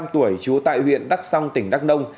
ba mươi năm tuổi chú tại huyện đắk song tỉnh đắk đông